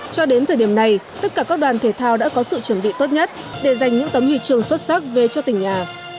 cho đến thời điểm này tất cả các đoàn thể thao đã có sự chuẩn bị tốt nhất để giành những tấm huy chương xuất sắc về cho tỉnh nhà